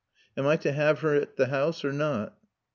Am I to have her at the house or not?"